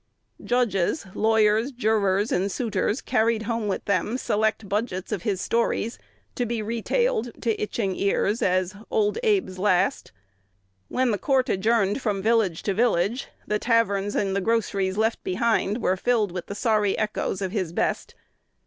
Judges, lawyers, jurors, and suitors carried home with them select budgets of his stories, to be retailed to itching ears as "Old Abe's last." When the court adjourned from village to village, the taverns and the groceries left behind were filled with the sorry echoes of his "best."